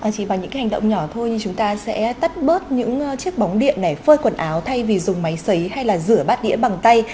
chỉ bằng những hành động nhỏ thôi thì chúng ta sẽ tắt bớt những chiếc bóng điện này phơi quần áo thay vì dùng máy sấy hay là rửa bát điện bằng tay